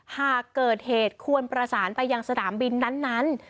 หากเกิดเหตุควรประสานไปยังสนามบินนั้น